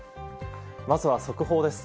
まずは速報です。